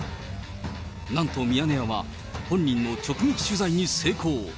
なんとミヤネ屋は、本人の直撃取材に成功。